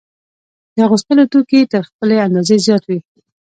د اغوستلو توکي تر خپلې اندازې زیات وي